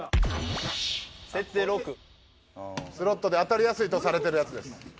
「設定６」「スロットで当たりやすいとされてるやつです」